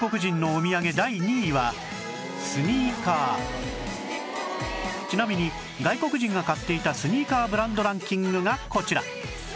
そうちなみに外国人が買っていたスニーカーブランドランキングがこちら